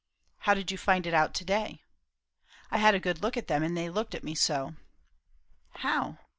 "How did you find it out to day?" "I had a good look at them, and they looked at me so." "How?"